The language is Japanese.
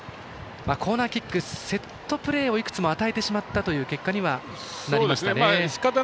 コーナーキック、セットプレーをいくつも与えてしまったということになりました。